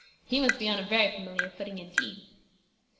"He must be on a very familiar footing, indeed."